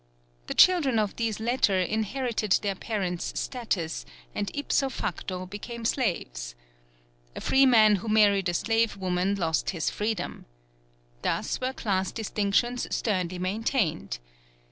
The children of these latter inherited their parents' status and ipso facto became slaves. A free man who married a slave woman lost his freedom. Thus were class distinctions sternly maintained.